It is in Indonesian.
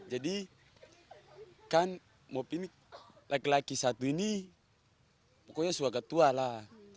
jadi kan mob ini laki laki satu ini pokoknya suara ketua lah